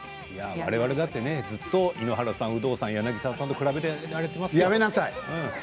われわれだってねずっと井ノ原さん、有働さん柳澤さんと比べられていますよ。